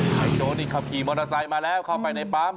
ไฮโจนี่ขับขี่มอเตอร์ไซค์มาแล้วเข้าไปในปั๊ม